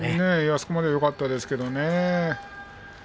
そこまではよかったですね。